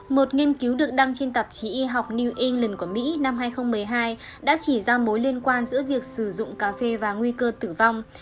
một nghiên cứu được đăng trên tạp chí y học new england của mỹ năm hai nghìn một mươi hai đã chỉ ra mối liên quan giữa việc sử dụng cà phê và nguy cơ tử vong